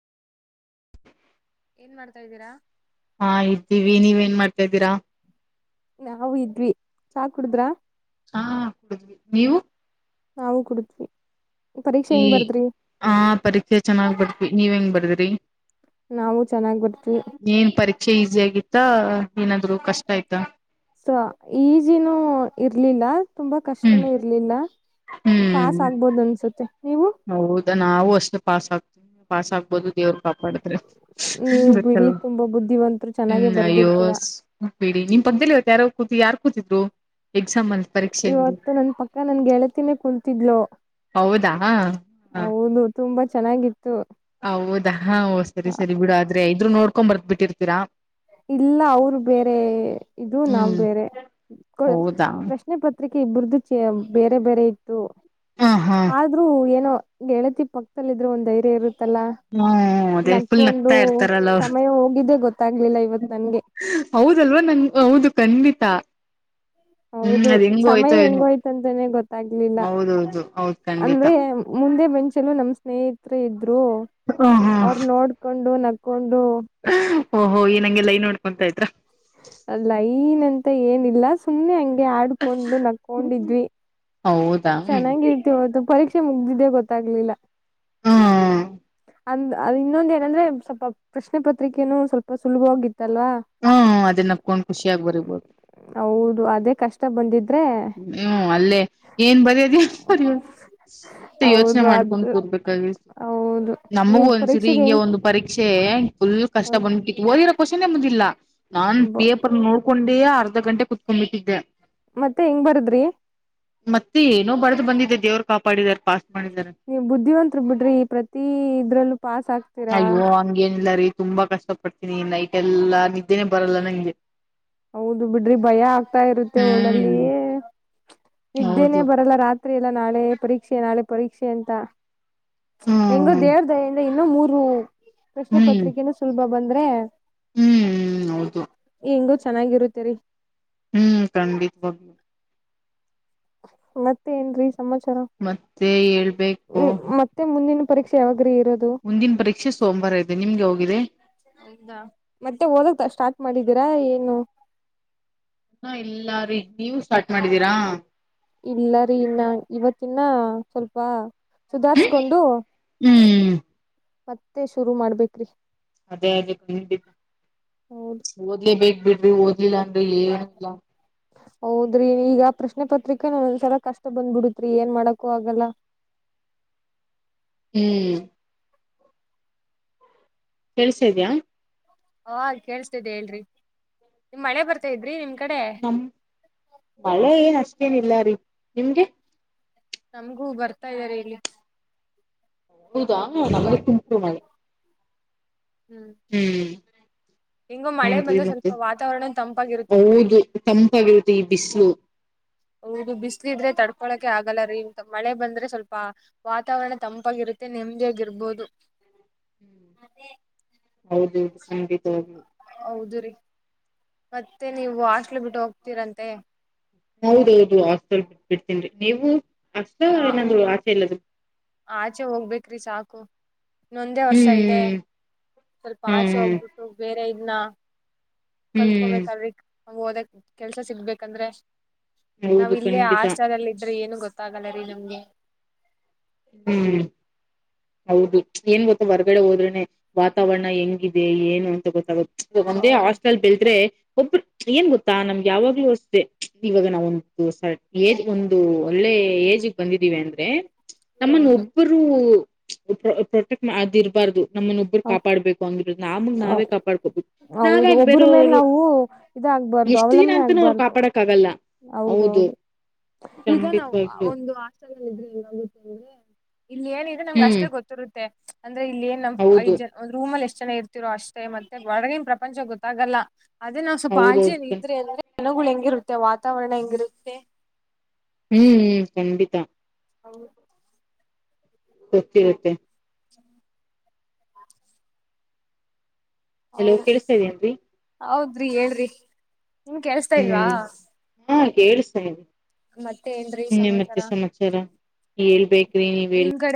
ಏನ್ ಮಾಡ್ತಾ ಇದ್ದೀರಾ ಹ ಇತಿ ವಿ ನೀ ಏನ್ ಮಾಡ್ತಾ ಇದ್ದೀರಾ ನಾವು ಇದ್ವಿ ಚಾ ಕುಡುದ್ರ ಹಾ ಕುಡಿದ್ವಿ ನೀವು ನಾವು ಕುಡದ್ವಿ ಈ ಹ ಪರೀಕ್ಷೆ ಚೆನ್ನಾಗ್ ಬರ್ತಿವಿ ನೀವ್ ಹೆಂಗ್ ಬರ್ದಿ ನಾವು ಚೆನ್ನಾಗ್ ಬರ್ದ್ವಿ [inaudible] ಏನ್ ಪರೀಕ್ಷೆ ಈಸಿ ಆಗಿತ್ತು ಆತ್ತ ಏನಾದ್ರು ಕಷ್ಟ ಆಯ್ತಾ ಸೊ ಈಜಿನೂ ಇರ್ಲಿಲ್ಲ ತುಂಬಾ ಹ್ಮ್ ಕಷ್ಟನೂ ಇರ್ಲಿಲ್ಲ ಹ್ಮ್ ಪಾಸ್ ಆಗ್ಬೋದ ಅನ್ಸುತ್ತೆ ನೀವು ಹೌದಾ ನಾವು ಅಷ್ಟೇ ಪಾಸ್ ಆಗ್ತ ಪಾಸ್ಸಾಗ್ ದು ದೇವರು ಕಾಪಾಡಿದ್ರೆ ನೀವು ಬಿಡಿ ಗೊತ್ತಲ್ಲ ತುಂಬಾ ಬುದ್ಧಿವಂತರು ಚೆನ್ನಾಗೆ ಹ್ಮ್ ಅಯ್ಯೋ ಬರ್ದಿರ್ತೀರಾ ಬಿಡಿ ನಿಮ್ ಪಕ್ಕದಲ್ಲಿ ಇವತ್ತು ಯಾರೋ ಕೂತಿ ಯಾರ್ ಕೂತಿದ್ರು ಎಕ್ಸಾಮ್ ಅಲ್ಲಿ ಪರೀಕ್ಷೆಯಲ್ಲಿ ಇವತ್ತು ನನ್ ಪಕ್ಕ ನನ್ ಗೆಳತಿನೇ ಕುಲ್ತಿದ್ಲು ಹೌದಾ ಹ ತುಂಬಾ ಚೆನ್ನಾಗಿತ್ತು ಹ ಹೌದಾ ಹಾ ಓ ಸರಿ ಸರಿ ಬಿಡು ಆದ್ರೆ ಇದ್ರು ನೋಡ್ ಉಕೊಂಬರ್ದ ಬರದ್ಬಿಟ್ಟಿರ್ತೀರ ಇಲ್ಲ ಅವರು ಬೇರೆ ಇದು ನಾವ್ ಹ್ಮ್ ಬೇರೆ ಹೌದಾ ಪ್ರಶ್ನೆ ಪತ್ರಿಕೆ ಇಬರ್ದು ಚೆ ಬೇರೆ ಬೇರೆ ಇತ್ತು ಹ ಹಾ ಆದ್ರೂ ಏನೋ ಗೆಳತಿ ಪಕ್ಕದದಲ್ಲಿ ಇದ್ರೆ ಒಂದ ಧೈರ್ಯ ಇರುತ್ತೆ ಹ್ಮ ಅದೇ ಫುಲ್ ನಗ್ಕೊಂಡು ನಗ್ತಾ ಇರ್ತಾರಲ್ಲ ಅವ್ರು ಸಮಯ ಹೋಗಿದ್ದೆ ಗೊತ್ತಾಗ್ಲಿಲ್ಲ ಇವತ್ ನನ್ಗೆ ಹೌದಲ್ವಾ ನಂ ಹೌದು ಕ ಖಂಡಿತ ಹ್ಮ್ ಹೌದು ಅದ್ ಹೆಂಗೋ ಸಮಯ ಹೋಯ್ತೋ ಏನು ಹೆಂಗೋಯ್ತಂತಾನನೆ ಗೊತ್ತಾಗ್ಲಿಲ್ಲ ಹೌದೌದು ಹೌದ್ ಖಂಡಿತ ಅಂದ್ರೆ ಮುಂದೆ ಬೆಂಚಲು ನಮಸ್ ನೇತ್ರಿ ಹ ಹಾ ಅವರು ನೋಡ್ಕೊಂಡು ನಕ್ ಓಹೋ ಏ ನಂಗೆ ಲೈನ ಹೊಡಿ ಅಂತ್ತೈತ್ರ ಅಲ್ಲ ಇನಂತ ಏನಿಲ್ಲ ಸುಮ್ಮ್ನೆ ಹಂಗೆ ಗೆ ಆಡ್ಕೊಂಡು ನಕೊಂಡಿದ್ವಿ ಹೌದಾ ಹ್ಮ ಚೆನ್ನಾಗಿತ್ತು ಅದು ಪರೀಕ್ಷೆ ಮುಗ್ದಿದ್ದೆ ಗೊತ್ತಾಗ್ಲಿಲ್ಲ ಹಾ ಅಂದ ಅ ಇನ್ನೊಂದ ಏನಂದ್ರೆ ಸ್ವಲ್ಪ ಪ್ರಶ್ನೆ ಪತ್ರಿಕೆನು ಸ್ವಲ್ಪ ಸುಲಭವಾಗಿತ್ತು ಹ್ಮ ಅದೇನಪ್ಕೊಂಡ್ ಖುಷಿಯಾಗಿ ಬರಿಬೋದು ಬಂದಿದ್ದು ಹ್ಮ್ ಅಲ್ಲೇ ಏನ್ ಬರಿಯೋದ ಬೇರಿಯೋದು ಮ ಯೋಚನೆ ಹೌದು ಮಾಡ್ಕೊಂಡು ಅದು ಕುರ್ಬೇಕಾಗಿತ್ತು ಹೌದು ನಮಗೂ ನೀವ್ ಒಂದ್ಸರಿ ಪರೀಕ್ಷೆಗೆ ಹಿಂಗೆ ಹೆಂಗ್ ಒಂದು ಪರೀಕ್ಷೆ ಫುಲ್ ಕಷ್ಟ ಬಂದ್ಬಿಟ್ಟಿತ್ತು ಓದಿರೋ ಕೋಷನೆೆ ಬಂದಿಲ್ಲ ನಾನ್ ಪೇಪರ್ ನೋಡ್ಕೊಂಡೇ ಅರ್ ರ್ದ ಗಂಟೆ ಕುತ್ಕೊಂಡ್ ಬಿಟ್ಟಿದ್ದೆ ಮತ್ತೆ ಹೆಂಗ್ ಬರದ್ರಿ ಮತ್ತೆ ಏನೋ ಬರ್ದು ಬಂದಿದೆೆ ದೇವರು ಕಾಡಿದ್ದಾರೆ ಪಾಸ್ ಮಾಡಿದ್ದಾರೆ ನೀವ್ ಬುದ್ಧಿವಂತ್ರ ಬಿಡ್ರಿ ಪ್ರತಿ ಇದ್ರಲ್ಲೂ ಪಾಸ್ ಆಗ್ ಅಯ್ಯೋ ಹಂಗೇನ ಇಲ್ಲರೀ ತುಂಬಾ ಕಷ್ಟಪಟ್ಟ ನೀ ನೈಟ್ ಎಲ್ಲಾ ನಿದ್ದೇನೆ ಬರಲ್ಲ ನಂಗೆ ಹೌದು ಬಿಡ್ರಿ ಭಯ ಆಗ್ತಾ ಇರುತ್ತೆ ಒಳಲ್ಲಿ ಹ್ಮ್ ನಿದ್ದೇನೆ ಹೌದು ಬರಲ್ಲ ರಾತ್ರಿ ತ್ರಿಯಲ್ಲ ನಾಳೆ ಪರೀಕ್ಷೆ ನಾಳೆ ಪರೀಕ್ಷೆ ಅಂತ ಹೆಂಗೋ ಹ್ಮ್ ದೇವ್ರದಯೆಯಿಂದ ಇನ್ನು ಮೂರು ರು ಪ್ರಶ್ನೆ ಪತ್ರಿಕೆನ ಸುಲಭ ಬಂದು ದ್ರೆ ಹ್ಮ್ ಹ್ಮ್ ಹೌದು ಹಿಂಗು ಚೆನ್ನಾಗಿರುತ್ತೇರಿ ಹ್ಮ್ ಖಂಡಿತವಾಗ್ಲೂ ಮತ್ತೆನ್ ರೀ ಮತ್ತೆ ಹೇಳ್ಬೇಕು ಹ್ಮ್ ಮತ್ತೆ ಮುಂದಿನ ಪರೀಕ್ಷೆ ಯಾವಗ್ರೀ ಮುಂದಿನ ಪರೀಕ್ಷೆ ಸೋಮವಾರ ಇದೆ ನಿಮ್ದ ಯವಾಗಿದೆ ಹೌದಾ ಮತ್ತೆ ಓದಕ್ ಸ್ಟಾರ್ಟ್ ಮಾಡಿದೀರಾ ಏನು ಹ ಎಲ್ಲಾರೂ ನೀವು ಸ್ಟಾರ್ಟ್ ಮಾಡಿದ್ದೀರಾ ಇಲ್ಲರಿೀ ಇನ್ನ ಇವತ್ತಿನ ಸ್ವಲ್ಪ ಸುಧಾರ್ಸ್ಕೊಂಡು ಹ್ಮ್ ಮತ್ತೆ ಶುರು ಮಾಡ್ಬೇಕೇ್ರಿ ಅದೇ ಅದೇ ಖ ಹೌದ್ ಓದಲೇಬೇಕು ಹ್ಮ್ಮ್ಮ್ ಇಲ್ಲ ಅನ್ಏನು ಇಲ್ಲ ಹೌದ್ರಿ ಈಗ ಪ್ರಶ್ನೆ ಪತ್ರಿಕೆನ ಒಂದ್ಸಲ ಕಷ್ಟ ಬಂದ್ಬಿಡತ್ಿ ಏನ್ ಮಾಡಕು ಆಗಲ್ಲ ಹ್ಮ್ ಕೆಳ್ಸ ಇದ್ಯಾ ಹಾ ಕೇಳ್ಸ್ತೇಿದೆ ಹೇಳ್ರಿ ನಿಮ್ ಮಳೆ ಬರ್ತಾ ಇದ್ರಿ ನಿಮ್ಗೆ ನಮ ಮಳೆ ಏನಷ್ಟ ೇನಿಲ್ಲ ರೀ ನಿಮ್ಗೆ ನಮ್ಗೂ ಬರ್ತಾ ಇದ್ದಾರೆ ಇಲ್ಲಿ ಊದಾ ನಮ್ಮಗೆ ತುಂಪರು ಮಾಡಿ ಹ್ಮ್ ಹ್ಮ್ ಹೆಂಗೋ ಮಳೆ ನರಿ ಬಂದ್ರೆ ಮತ್ತೆ ಸ್ವಲ್ಪ ವಾತಾವರಣ ತಂಪಾಗಿರುತ್ತೆ ಬಿಡ್ರಿ ಹೌದು ತಂಪಾಗಿರುತ್ತೆ ಈ ಬಿಸಿಲು ಹೌದು ಬಿಸ್ಲ ಇದ್ರೆ ತಡ್ಕೊಳಕೆ ಆಗಲ್ಲ ರೀ ಇಂತ ಮಳೆ ಬಂದ್ರೆ ಸ್ವಲ್ಪ ವಾತಾವರಣ ತಂಪಾಗಿರುತ್ತೆ ನೆಮ್ಮದಿಯಾಗಿರ್ಬೋದು ಹೌದೌದು ಖಂಡಿತ ಹದು ಹ್ಮ್ ಮತ್ತೆ ನೀವು ಹಾಸ್ಟ್ಲ್ ಬಿಟ್ಟು ಹೋಗ್ತೀರಂತೆ ಹೌದೌದು ಆಾಸ್ಟಲ್ ಬಿಟ್ಟ ಬಿಡ್ತನ್ಿ ನೀವು ಅಷ್ಟ ನಾ ಏನಾದ ಆಚೆ ಇಲ್ಲದು ಆಚೆ ಹೋಗ್ಬೇಕೇ್ರಿ ಸಾಕು ಇನ್ನೊಂದೇ ವರ್ಷ ಇದೆ ಹ್ಮ್ ಸ್ವಲ್ಪ ಆಚೆ ಹ್ಮ್ ಹೋಗ್ಬಿಟ್ಟು ಬೇರೆ ಇದ್ನ ಹ್ಮ್ ಕಲ್ತ್ಕೊಬೇಕಲ್ಿ ಹ ಹೋದಕ್ ಕೆಲ್ಸ ಸಿಗ್ಬೇಕಂದ್ರೆ ಹ್ಮ್ ನಾವ್ ಹೌದು ಇಲ್ಲೇ ಖಂಡಿತ ಆಶ್ರದಲ್ಲಿ ಇದ್ರೆ ಏನು ಗೊತ್ತಾಗಲ್ಲ ರೀ ನಿಮ್ಗೆ ಹ್ಮ್ ಹೌದು ಏನ್ ಗೊತ್ತ ಹೊರಗಡೆ ಹೋದ್ರನೆ ವಾತಾವರಣ ಹೆಂಗಿದೆ ಏನು ಅಂತ ಗೊತ್ತಾಗುತ್ತೆ ಒಂದೇ ಹಾಸ್ಟೆಲ್ ಬೆಳದ್ರೆ ಒಬ್ರ ಏನ್ ಗೊತ್ತಾ ನಮ್ಗೆ ಯಾವಾಗ್ಲೂ ಅಷ್ಟೆ ಇವಾಗ ನಾವೊಂದು. ಸರ್ ಏದ ಒಂದು. ಒಳ್ಳೆ ಏಜಿಗೆ ಬಂದಿದ್ದಿವವಿ ಅಂದ್ರೆ. ನಮ್ಮನ್ ಹೌದು ಒಬ್ಬರು. ಪ್ರೊಟೆಕ್ಟ್ ಆರಬಾರ್ದು. ಹ ನಾವೇ ಕಾಪಾಡ್ಕೋಬೇಕು. ಹೌದು ನಾವ್ಯಾಕ್ ಒಬರ ಮೇಲೆ ಬೇರೆಯವ್ರು ನಾವು ಇದಾಗಬಾರ್ದು ಎಷ್ಟು ದಿನ ಅವಲಂಬನೆ ಅಂತಾನೂ ಅವ್ರು ಆಗ್ಬಾರ್ದು ಕಾಪಾಡಕ್ ಆಗಲ್ಲ. ಹೌದ ಹೌದು ಈಗ ನಾ ಖಂಡಿತವಾಗ್ಲು ಒಂದು ಹಟಲ್ ಇದ್ರೆಂಗಾಗುತ್ತ ಇಲ್ಲಿ ಏನಿದೆ ನಮ್ಗೆ ಹ್ಮ್ ಅಷ್ಟೇ ಗೊತ್ತಿರುತ್ತೆ ಅಂದ್ರೆ ಇಲ್ಲಿ ಏನು ಐದು ಹೌದು ಜನ ಒಂದು ರೂಮ ಅ ಎಷ್ಟು ನ ಇರ್ತಿರೋ ಅಷ್ಟೇ ಮತ್ತೆ ಒಡಗಿನ ಪ್ರಪಂಚ ಗೊತ್ತಾಗಲ್ಲ ಅದೇ ನಾವ್ ಸ್ವಪ ಆಜೇಏ ಹೌದೌದು ಹ್ಮ್ ಇದ್ರಿ ಜನಗಳು ಹೆಂಗಿರುತ್ತೆ ವಾತಾವರಣ ಹೆಂಗಿರುತ್ತೆ ಹ್ಮ್ ಹ್ಮ್ ಕಂಡಿತಾ ಹೌದು ತ್ತೆ ತ್ತೆ [unintelligible] ಹ್ಮ [unintelligible] ಹಲೋ ಕೇಳಸ್ತಾ ಇದ್ದ ಅನ್ರಿ ರಿ ಹೇಳ್ರಿ ನಿಮ್ ಕೇಳ್ಸ್ತಾ ಇಲ್ವಾ [unintelligible] ಕೇರ್ ಸನ್ ಮತ್ತೆ ಏನ್ರೀ ನಿ ಮತ್ತೆ ಸಮಾಚಾರ ಸಮಾಚಾರ ಹೇಳ್ಬೇಕ್ರಿ ನೀವ ನಿಮ್ ಕಡೆ